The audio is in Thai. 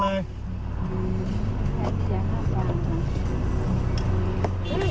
อันตัวสนิท